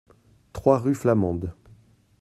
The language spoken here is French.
trois rue Flamande